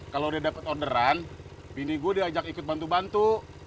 kalau dia dapat orderan bini gue diajak ikut bantu bantu